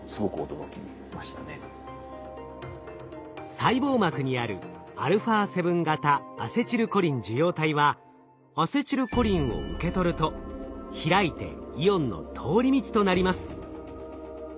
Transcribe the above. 細胞膜にあるα７型アセチルコリン受容体はアセチルコリンを受け取ると開いてイオンの通り道となります。